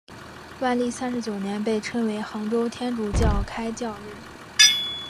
万历三十九年被称为杭州天主教开教日。